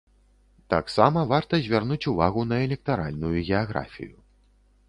Таксама варта звярнуць увагу на электаральную геаграфію.